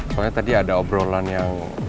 soalnya tadi ada obrolan yang